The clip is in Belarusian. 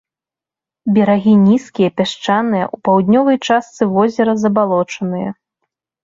Берагі нізкія, пясчаныя, у паўднёвай частцы возера забалочаныя.